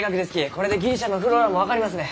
これでギリシャのｆｌｏｒａも分かりますね。